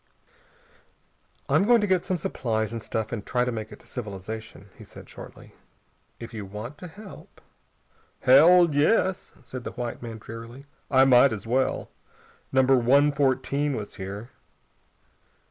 "I'm going to get some supplies and stuff and try to make it to civilization," he said shortly. "If you want to help...." "Hell, yes," said the white man drearily. "I might as well. Number One Fourteen was here....